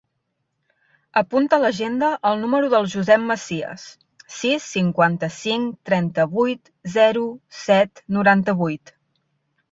Apunta a l'agenda el número del Josep Macias: sis, cinquanta-cinc, trenta-vuit, zero, set, noranta-vuit.